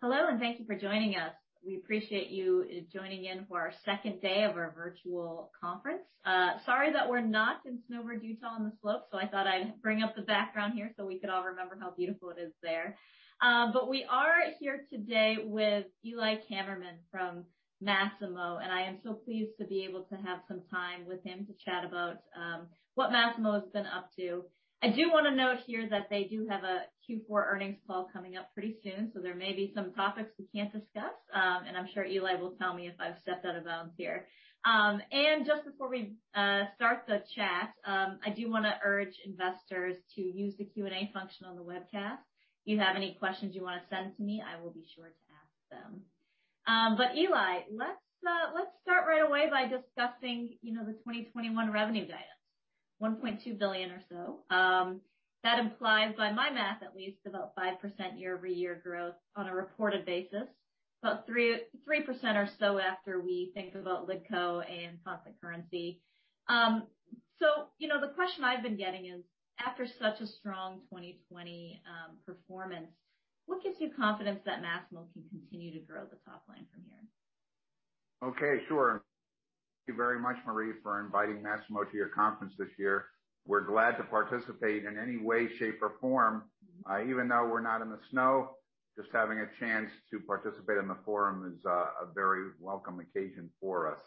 Hello, and thank you for joining us. We appreciate you joining in for our second day of our virtual conference. Sorry that we're not in Snowbird, Utah, on the slopes, so I thought I'd bring up the background here so we could all remember how beautiful it is there, but we are here today with Eli Kammerman from Masimo, and I am so pleased to be able to have some time with him to chat about what Masimo has been up to. I do want to note here that they do have a Q4 earnings call coming up pretty soon, so there may be some topics we can't discuss, and I'm sure Eli will tell me if I've stepped out of bounds here, and just before we start the chat, I do want to urge investors to use the Q&A function on the webcast. If you have any questions you want to send to me, I will be sure to ask them. But Eli, let's start right away by discussing the 2021 revenue guidance, $1.2 billion or so. That implies, by my math at least, about 5% year-over-year growth on a reported basis, about 3% or so after we think about LiDCO and constant currency. So the question I've been getting is, after such a strong 2020 performance, what gives you confidence that Masimo can continue to grow the top line from here? Okay, sure. Thank you very much, Marie, for inviting Masimo to your conference this year. We're glad to participate in any way, shape, or form. Even though we're not in the snow, just having a chance to participate in the forum is a very welcome occasion for us.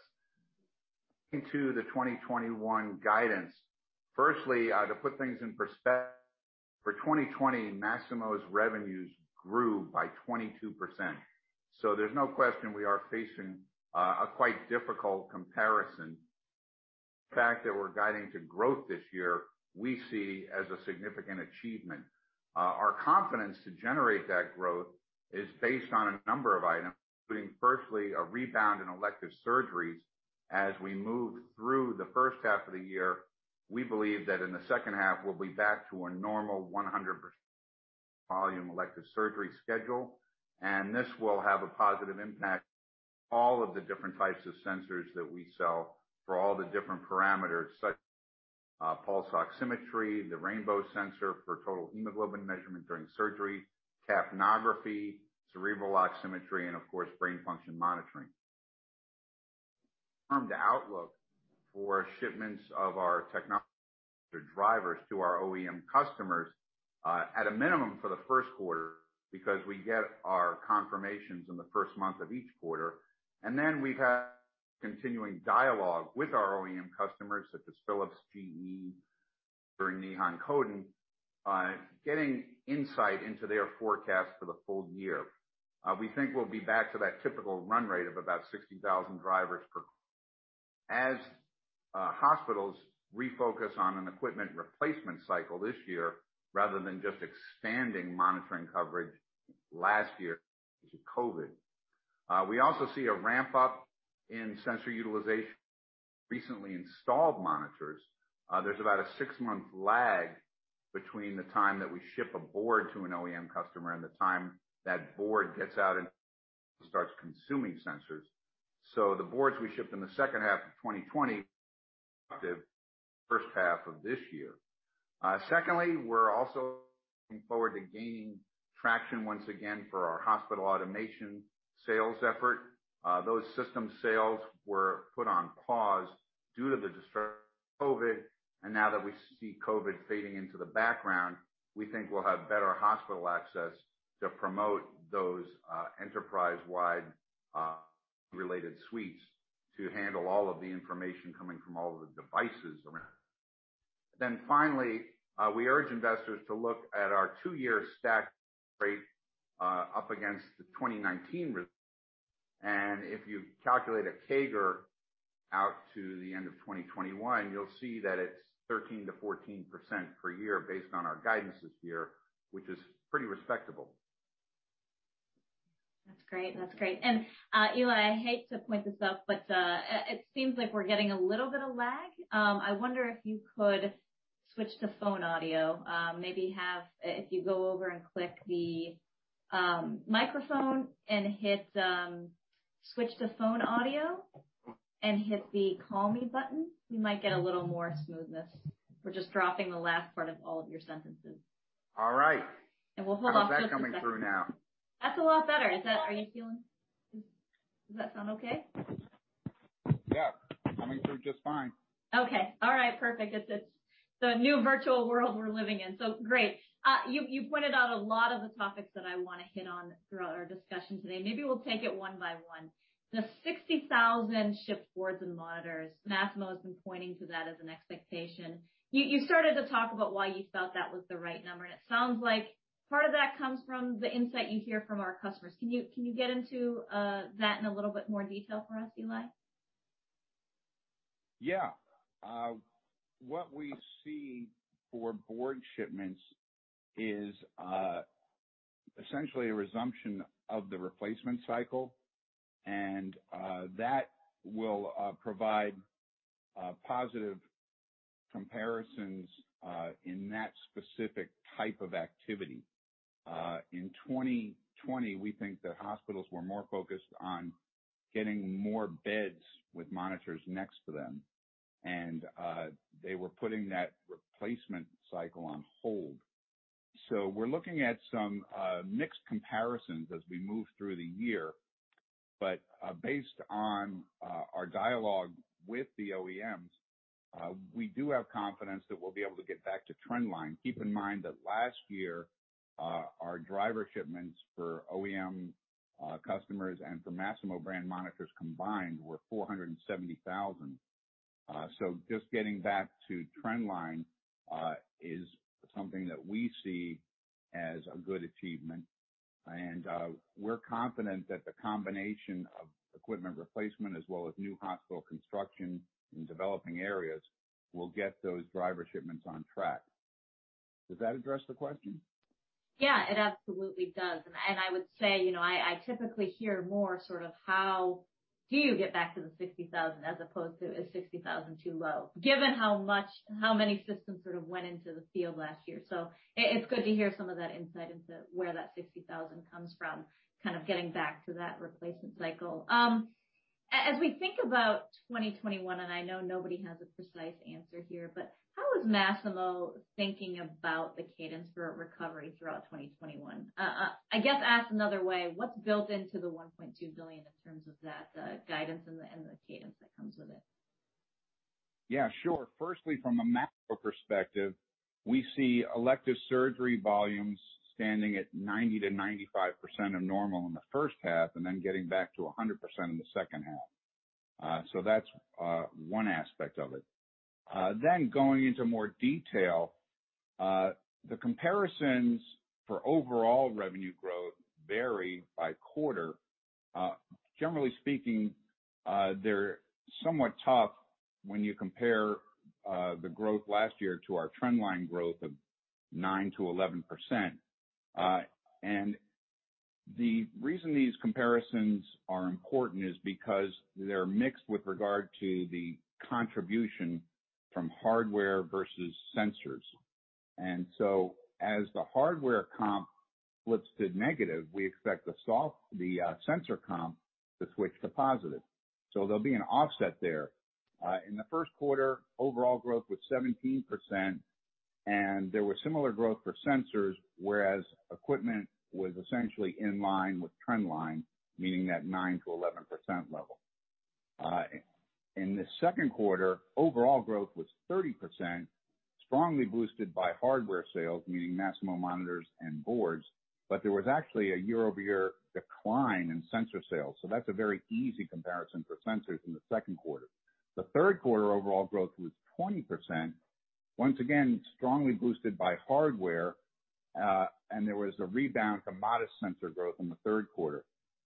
Looking to the 2021 guidance, firstly, to put things in perspective, for 2020, Masimo's revenues grew by 22%. So there's no question we are facing a quite difficult comparison. The fact that we're guiding to growth this year, we see as a significant achievement. Our confidence to generate that growth is based on a number of items, including firstly a rebound in elective surgeries. As we move through the first half of the year, we believe that in the second half we'll be back to a normal 100% volume elective surgery schedule, and this will have a positive impact on all of the different types of sensors that we sell for all the different parameters, such as pulse oximetry, the Rainbow sensor for total hemoglobin measurement during surgery, capnography, cerebral oximetry, and of course, brain function monitoring. We have a firm outlook for shipments of our technology to drivers, to our OEM customers, at a minimum for the first quarter because we get our confirmations in the first month of each quarter. And then we've had continuing dialogue with our OEM customers, such as Philips, GE, or Nihon Kohden, getting insight into their forecast for the full year. We think we'll be back to that typical run rate of about 60,000 drivers per quarter. As hospitals refocus on an equipment replacement cycle this year, rather than just expanding monitoring coverage last year due to COVID, we also see a ramp-up in sensor utilization of recently installed monitors. There's about a six-month lag between the time that we ship a board to an OEM customer and the time that board gets out and starts consuming sensors. So the boards we shipped in the second half of 2020 are expected to be productive the first half of this year. Secondly, we're also looking forward to gaining traction once again for our hospital automation sales effort. Those system sales were put on pause due to the disruption of COVID, and now that we see COVID fading into the background, we think we'll have better hospital access to promote those enterprise-wide related suites to handle all of the information coming from all of the devices around. Then finally, we urge investors to look at our two-year stack rate up against the 2019 result, and if you calculate a CAGR out to the end of 2021, you'll see that it's 13-14% per year based on our guidance this year, which is pretty respectable. That's great. That's great. And Eli, I hate to point this out, but it seems like we're getting a little bit of lag. I wonder if you could switch to phone audio. Maybe if you go over and click the microphone and hit switch to phone audio and hit the call me button, we might get a little more smoothness. We're just dropping the last part of all of your sentences. All right. And we'll hold off. How's that coming through now? That's a lot better. Are you feeling? Does that sound okay? Yeah. Coming through just fine. Okay. All right. Perfect. It's the new virtual world we're living in. So great. You pointed out a lot of the topics that I want to hit on throughout our discussion today. Maybe we'll take it one by one. The 60,000 shipped boards and monitors, Masimo has been pointing to that as an expectation. You started to talk about why you felt that was the right number, and it sounds like part of that comes from the insight you hear from our customers. Can you get into that in a little bit more detail for us, Eli? Yeah. What we see for board shipments is essentially a resumption of the replacement cycle, and that will provide positive comparisons in that specific type of activity. In 2020, we think that hospitals were more focused on getting more beds with monitors next to them, and they were putting that replacement cycle on hold. So we're looking at some mixed comparisons as we move through the year, but based on our dialogue with the OEMs, we do have confidence that we'll be able to get back to trend line. Keep in mind that last year our driver shipments for OEM customers and for Masimo brand monitors combined were 470,000. So just getting back to trend line is something that we see as a good achievement, and we're confident that the combination of equipment replacement as well as new hospital construction in developing areas will get those driver shipments on track. Does that address the question? Yeah, it absolutely does. And I would say I typically hear more sort of how do you get back to the 60,000 as opposed to is 60,000 too low, given how many systems sort of went into the field last year. So it's good to hear some of that insight into where that 60,000 comes from, kind of getting back to that replacement cycle. As we think about 2021, and I know nobody has a precise answer here, but how is Masimo thinking about the cadence for recovery throughout 2021? I guess asked another way, what's built into the $1.2 billion in terms of that guidance and the cadence that comes with it? Yeah, sure. Firstly, from a macro perspective, we see elective surgery volumes standing at 90%-95% of normal in the first half and then getting back to 100% in the second half. So that's one aspect of it. Then going into more detail, the comparisons for overall revenue growth vary by quarter. Generally speaking, they're somewhat tough when you compare the growth last year to our trend line growth of 9-11%. And the reason these comparisons are important is because they're mixed with regard to the contribution from hardware versus sensors. And so as the hardware comp flips to negative, we expect the sensor comp to switch to positive. So there'll be an offset there. In the first quarter, overall growth was 17%, and there was similar growth for sensors, whereas equipment was essentially in line with trend line, meaning that 9-11% level. In the second quarter, overall growth was 30%, strongly boosted by hardware sales, meaning Masimo monitors and boards, but there was actually a year-over-year decline in sensor sales, so that's a very easy comparison for sensors in the second quarter. The third quarter, overall growth was 20%, once again strongly boosted by hardware, and there was a rebound to modest sensor growth in the third quarter.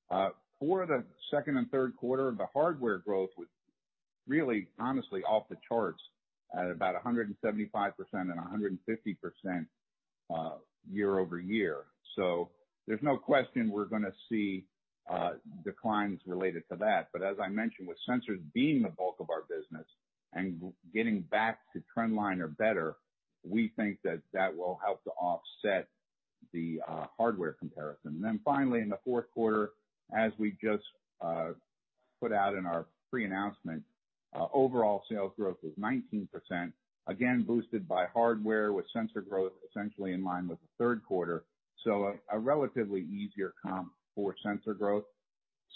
For the second and third quarter, the hardware growth was really, honestly, off the charts at about 175% and 150% year-over-year, so there's no question we're going to see declines related to that, but as I mentioned, with sensors being the bulk of our business and getting back to trend line or better, we think that that will help to offset the hardware comparison. And then finally, in the fourth quarter, as we just put out in our pre-announcement, overall sales growth was 19%, again boosted by hardware with sensor growth essentially in line with the third quarter. So a relatively easier comp for sensor growth.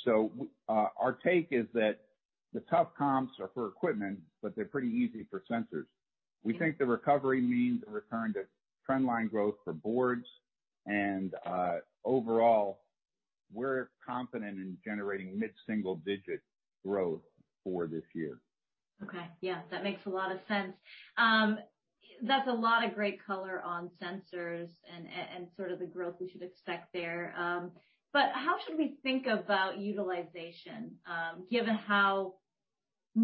So our take is that the tough comps are for equipment, but they're pretty easy for sensors. We think the recovery means a return to trend line growth for boards, and overall, we're confident in generating mid-single-digit growth for this year. Okay. Yeah, that makes a lot of sense. That's a lot of great color on sensors and sort of the growth we should expect there. But how should we think about utilization, given how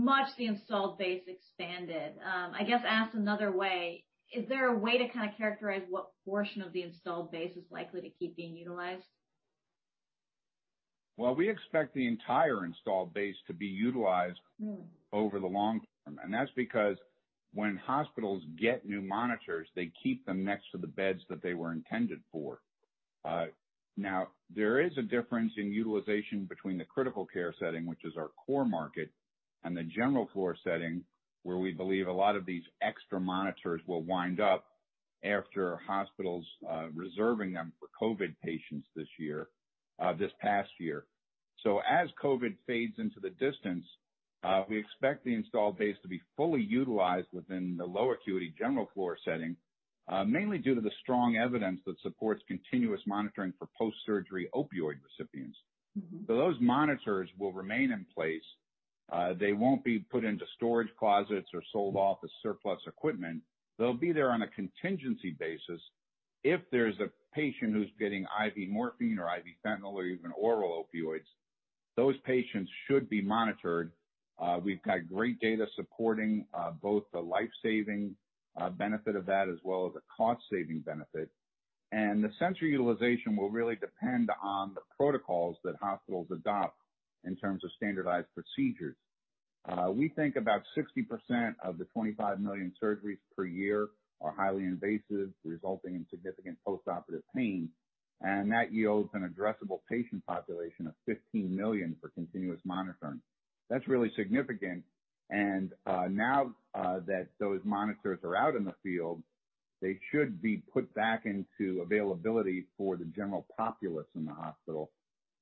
much the installed base expanded? I guess, asked another way, is there a way to kind of characterize what portion of the installed base is likely to keep being utilized? We expect the entire installed base to be utilized over the long term. That's because when hospitals get new monitors, they keep them next to the beds that they were intended for. Now, there is a difference in utilization between the critical care setting, which is our core market, and the general floor setting, where we believe a lot of these extra monitors will wind up after hospitals reserving them for COVID patients this year, this past year. As COVID fades into the distance, we expect the installed base to be fully utilized within the low acuity general floor setting, mainly due to the strong evidence that supports continuous monitoring for post-surgery opioid recipients. Those monitors will remain in place. They won't be put into storage closets or sold off as surplus equipment. They'll be there on a contingency basis. If there's a patient who's getting IV morphine or IV fentanyl or even oral opioids, those patients should be monitored. We've got great data supporting both the life-saving benefit of that as well as the cost-saving benefit. And the sensor utilization will really depend on the protocols that hospitals adopt in terms of standardized procedures. We think about 60% of the 25 million surgeries per year are highly invasive, resulting in significant postoperative pain, and that yields an addressable patient population of 15 million for continuous monitoring. That's really significant. And now that those monitors are out in the field, they should be put back into availability for the general populace in the hospital,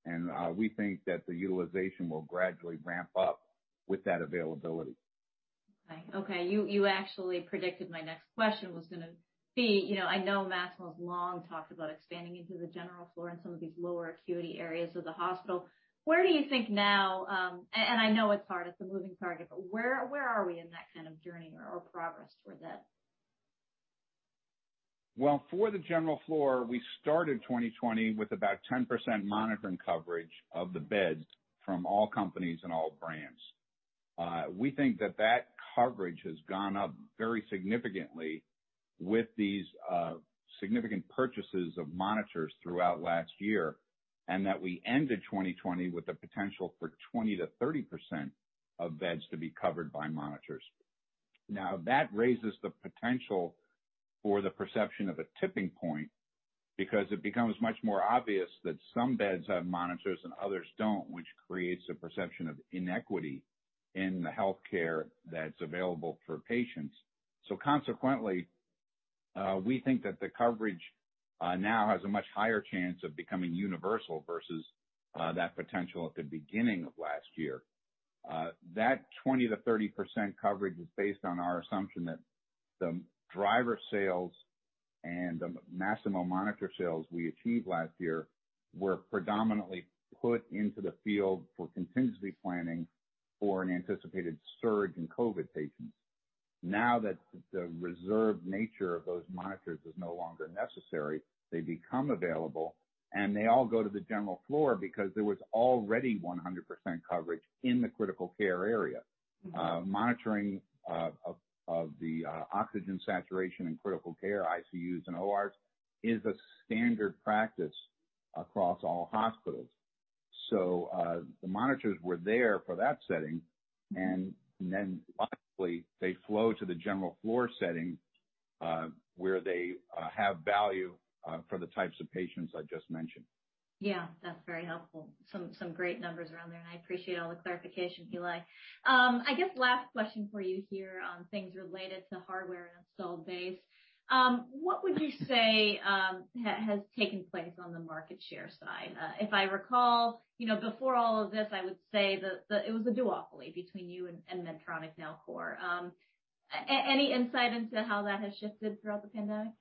and we think that the utilization will gradually ramp up with that availability. Okay. Okay. You actually predicted my next question was going to be, I know Masimo has long talked about expanding into the general floor and some of these lower acuity areas of the hospital. Where do you think now? And I know it's hard. It's a moving target, but where are we in that kind of journey or progress toward that? For the general floor, we started 2020 with about 10% monitoring coverage of the beds from all companies and all brands. We think that that coverage has gone up very significantly with these significant purchases of monitors throughout last year and that we ended 2020 with the potential for 20-30% of beds to be covered by monitors. Now, that raises the potential for the perception of a tipping point because it becomes much more obvious that some beds have monitors and others don't, which creates a perception of inequity in the healthcare that's available for patients. Consequently, we think that the coverage now has a much higher chance of becoming universal versus that potential at the beginning of last year. That 20%-30% coverage is based on our assumption that the driver sales and the Masimo monitor sales we achieved last year were predominantly put into the field for contingency planning for an anticipated surge in COVID patients. Now that the reserved nature of those monitors is no longer necessary, they become available, and they all go to the general floor because there was already 100% coverage in the critical care area. Monitoring of the oxygen saturation in critical care, ICUs, and ORs is a standard practice across all hospitals. So the monitors were there for that setting, and then likely they flow to the general floor setting where they have value for the types of patients I just mentioned. Yeah. That's very helpful. Some great numbers around there, and I appreciate all the clarification, Eli. I guess last question for you here on things related to hardware and installed base. What would you say has taken place on the market share side? If I recall, before all of this, I would say that it was a duopoly between you and Medtronic Nellcor. Any insight into how that has shifted throughout the pandemic?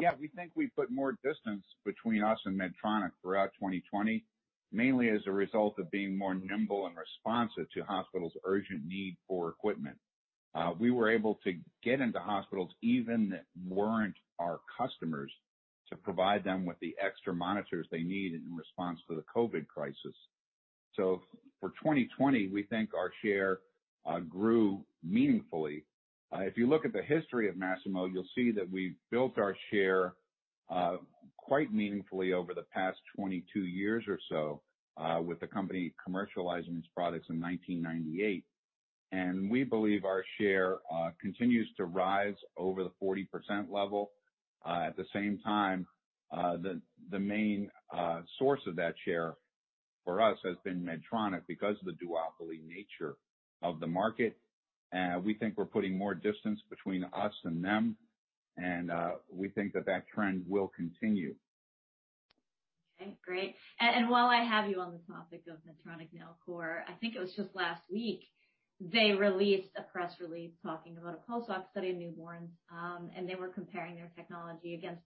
Yeah. We think we put more distance between us and Medtronic throughout 2020, mainly as a result of being more nimble and responsive to hospitals' urgent need for equipment. We were able to get into hospitals even that weren't our customers to provide them with the extra monitors they need in response to the COVID crisis. So for 2020, we think our share grew meaningfully. If you look at the history of Masimo, you'll see that we've built our share quite meaningfully over the past 22 years or so with the company commercializing its products in 1998. And we believe our share continues to rise over the 40% level. At the same time, the main source of that share for us has been Medtronic because of the duopoly nature of the market. We think we're putting more distance between us and them, and we think that that trend will continue. Okay. Great. And while I have you on the topic of Medtronic, Nellcor, I think it was just last week they released a press release talking about a post-op study in newborns, and they were comparing their technology against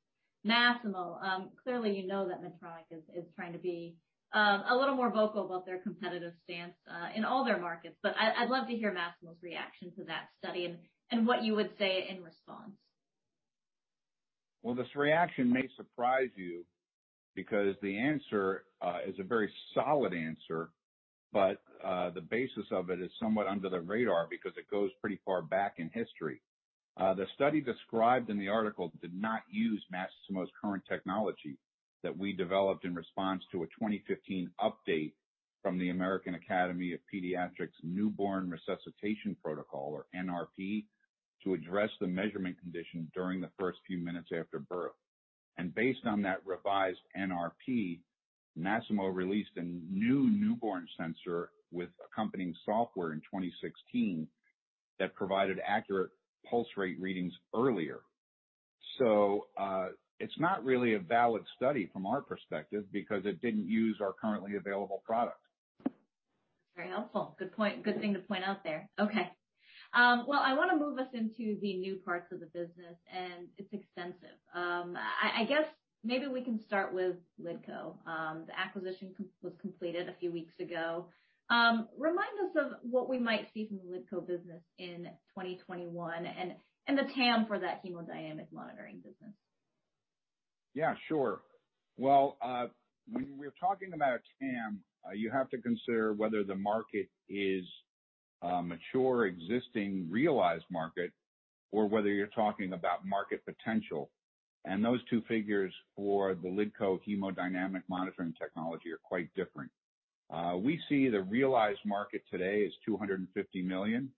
Masimo. Clearly, you know that Medtronic is trying to be a little more vocal about their competitive stance in all their markets, but I'd love to hear Masimo's reaction to that study and what you would say in response. This reaction may surprise you because the answer is a very solid answer, but the basis of it is somewhat under the radar because it goes pretty far back in history. The study described in the article did not use Masimo's current technology that we developed in response to a 2015 update from the American Academy of Pediatrics Newborn Resuscitation Protocol, or NRP, to address the measurement condition during the first few minutes after birth. Based on that revised NRP, Masimo released a new newborn sensor with accompanying software in 2016 that provided accurate pulse rate readings earlier. It's not really a valid study from our perspective because it didn't use our currently available product. Very helpful. Good point. Good thing to point out there. Okay. Well, I want to move us into the new parts of the business, and it's extensive. I guess maybe we can start with LiDCO. The acquisition was completed a few weeks ago. Remind us of what we might see from the LiDCO business in 2021 and the TAM for that hemodynamic monitoring business. Yeah, sure. Well, when we're talking about TAM, you have to consider whether the market is mature, existing, realized market, or whether you're talking about market potential. And those two figures for the LiDCO hemodynamic monitoring technology are quite different. We see the realized market today is $250 million,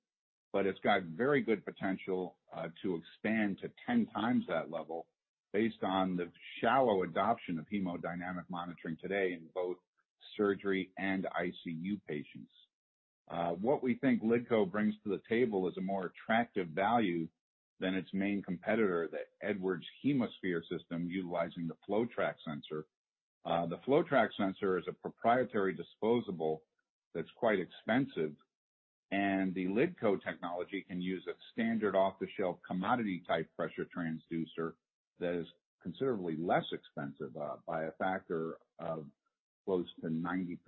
but it's got very good potential to expand to 10 times that level based on the shallow adoption of hemodynamic monitoring today in both surgery and ICU patients. What we think LiDCO brings to the table is a more attractive value than its main competitor, the Edwards HemoSphere system, utilizing the FloTrac sensor. The FloTrac sensor is a proprietary disposable that's quite expensive, and the LiDCO technology can use a standard off-the-shelf commodity-type pressure transducer that is considerably less expensive by a factor of close to 90%.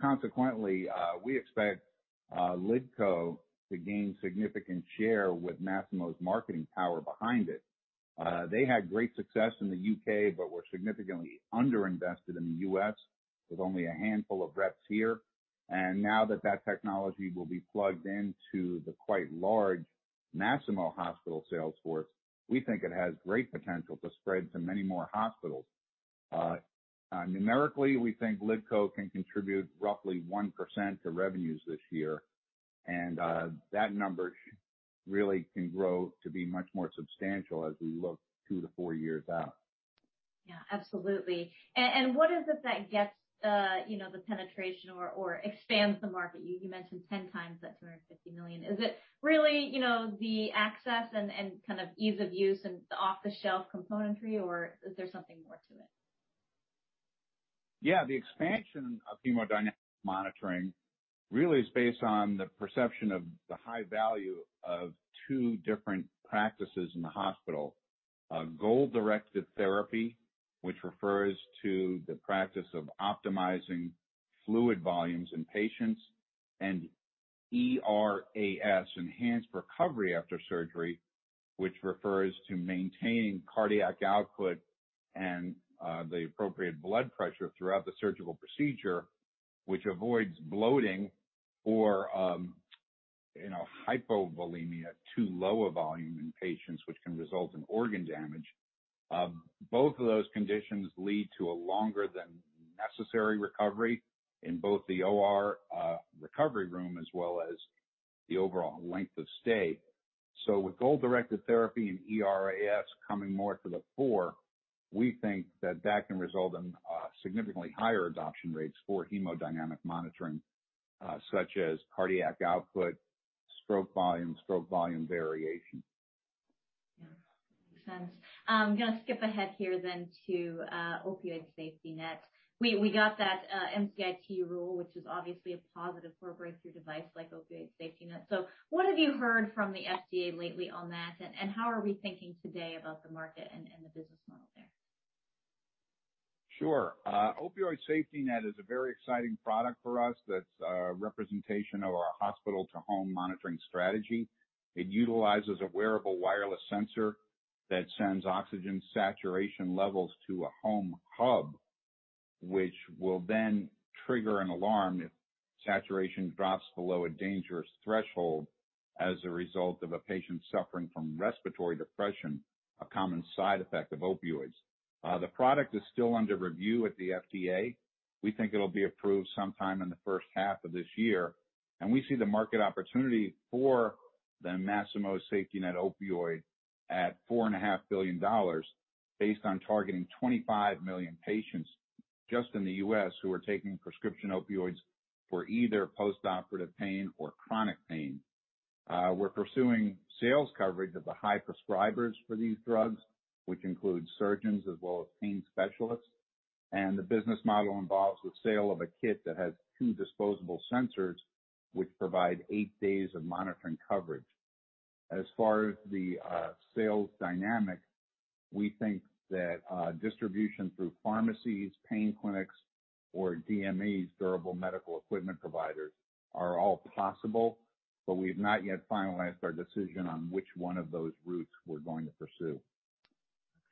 Consequently, we expect LiDCO to gain significant share with Masimo's marketing power behind it. They had great success in the U.K. but were significantly underinvested in the U.S. with only a handful of reps here. Now that that technology will be plugged into the quite large Masimo hospital sales force, we think it has great potential to spread to many more hospitals. Numerically, we think LiDCO can contribute roughly 1% to revenues this year, and that number really can grow to be much more substantial as we look two to four years out. Yeah. Absolutely. And what is it that gets the penetration or expands the market? You mentioned 10 times that 250 million. Is it really the access and kind of ease of use and the off-the-shelf componentry, or is there something more to it? Yeah. The expansion of hemodynamic monitoring really is based on the perception of the high value of two different practices in the hospital. Goal-directed therapy, which refers to the practice of optimizing fluid volumes in patients, and ERAS, enhanced recovery after surgery, which refers to maintaining cardiac output and the appropriate blood pressure throughout the surgical procedure, which avoids bloating or hypovolemia to lower volume in patients, which can result in organ damage. Both of those conditions lead to a longer-than-necessary recovery in both the OR recovery room as well as the overall length of stay. So with goal-directed therapy and ERAS coming more to the fore, we think that that can result in significantly higher adoption rates for hemodynamic monitoring, such as cardiac output, stroke volume, stroke volume variation. Yeah. Makes sense. I'm going to skip ahead here then to Opioid SafetyNet. We got that MCIT rule, which is obviously a positive for a breakthrough device like Opioid SafetyNet. So what have you heard from the FDA lately on that, and how are we thinking today about the market and the business model there? Sure. Masimo SafetyNet-Opioid is a very exciting product for us that's a representation of our hospital-to-home monitoring strategy. It utilizes a wearable wireless sensor that sends oxygen saturation levels to a home hub, which will then trigger an alarm if saturation drops below a dangerous threshold as a result of a patient suffering from respiratory depression, a common side effect of opioids. The product is still under review at the FDA. We think it'll be approved sometime in the first half of this year. And we see the market opportunity for the Masimo SafetyNet-Opioid at $4.5 billion based on targeting 25 million patients just in the U.S. who are taking prescription opioids for either postoperative pain or chronic pain. We're pursuing sales coverage of the high prescribers for these drugs, which includes surgeons as well as pain specialists. The business model involves the sale of a kit that has two disposable sensors, which provide eight days of monitoring coverage. As far as the sales dynamic, we think that distribution through pharmacies, pain clinics, or DMEs, durable medical equipment providers, are all possible, but we have not yet finalized our decision on which one of those routes we're going to pursue.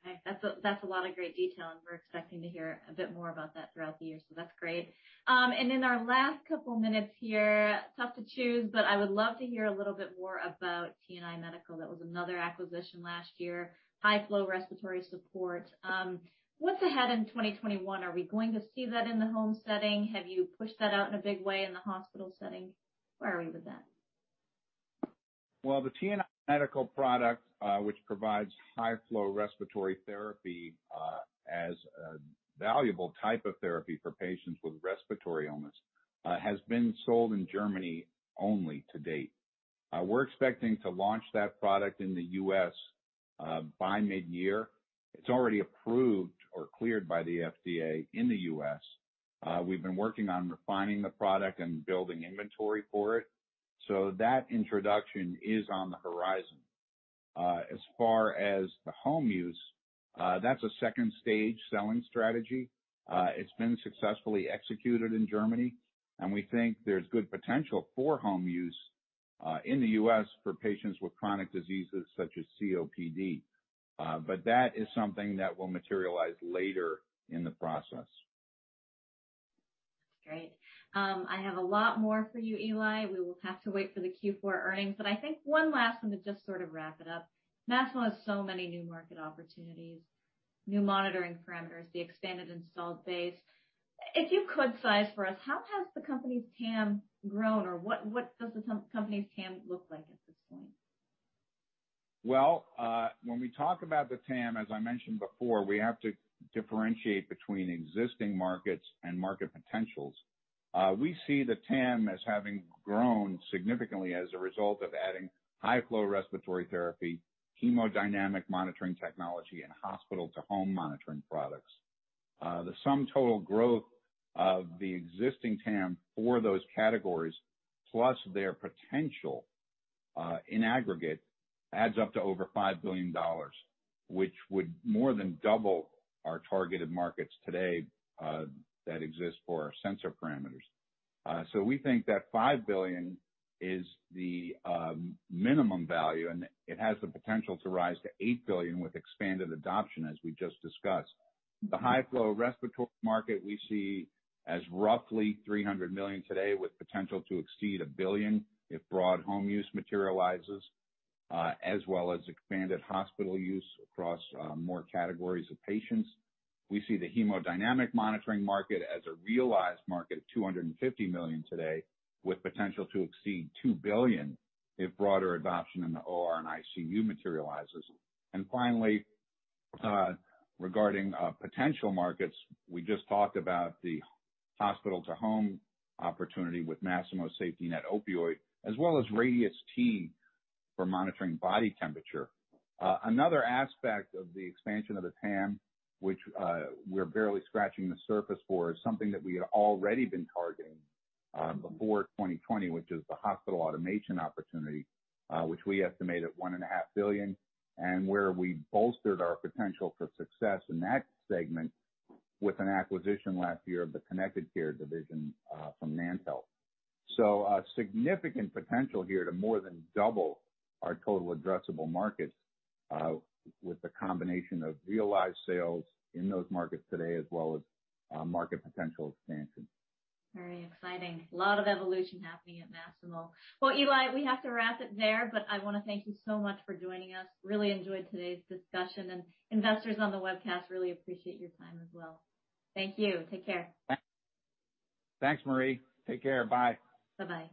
Okay. That's a lot of great detail, and we're expecting to hear a bit more about that throughout the year, so that's great. And in our last couple of minutes here, tough to choose, but I would love to hear a little bit more about TNI Medical. That was another acquisition last year, high-flow respiratory support. What's ahead in 2021? Are we going to see that in the home setting? Have you pushed that out in a big way in the hospital setting? Where are we with that? The TNI Medical product, which provides high-flow respiratory therapy as a valuable type of therapy for patients with respiratory illness, has been sold in Germany only to date. We're expecting to launch that product in the U.S. by mid-year. It's already approved or cleared by the FDA in the U.S. We've been working on refining the product and building inventory for it. That introduction is on the horizon. As far as the home use, that's a second-stage selling strategy. It's been successfully executed in Germany, and we think there's good potential for home use in the U.S. for patients with chronic diseases such as COPD. That is something that will materialize later in the process. Great. I have a lot more for you, Eli. We will have to wait for the Q4 earnings. But I think one last one to just sort of wrap it up. Masimo has so many new market opportunities, new monitoring parameters, the expanded installed base. If you could size for us, how has the company's TAM grown, or what does the company's TAM look like at this point? When we talk about the TAM, as I mentioned before, we have to differentiate between existing markets and market potentials. We see the TAM as having grown significantly as a result of adding high-flow respiratory therapy, hemodynamic monitoring technology, and hospital-to-home monitoring products. The sum total growth of the existing TAM for those categories, plus their potential in aggregate, adds up to over $5 billion, which would more than double our targeted markets today that exist for our sensor parameters. So we think that $5 billion is the minimum value, and it has the potential to rise to $8 billion with expanded adoption, as we just discussed. The high-flow respiratory market we see as roughly $300 million today, with potential to exceed $1 billion if broad home use materializes, as well as expanded hospital use across more categories of patients. We see the hemodynamic monitoring market as a realized market of $250 million today, with potential to exceed $2 billion if broader adoption in the OR and ICU materializes. And finally, regarding potential markets, we just talked about the hospital-to-home opportunity with Masimo Safety Net-Opioid, as well as Radius T for monitoring body temperature. Another aspect of the expansion of the TAM, which we're barely scratching the surface for, is something that we had already been targeting before 2020, which is the hospital automation opportunity, which we estimate at $1.5 billion, and where we bolstered our potential for success in that segment with an acquisition last year of the Connected Care division from NantHealth. So significant potential here to more than double our total addressable markets with the combination of realized sales in those markets today, as well as market potential expansion. Very exciting. A lot of evolution happening at Masimo. Well, Eli, we have to wrap it there, but I want to thank you so much for joining us. Really enjoyed today's discussion, and investors on the webcast really appreciate your time as well. Thank you. Take care. Thanks, Marie. Take care. Bye. Bye-bye.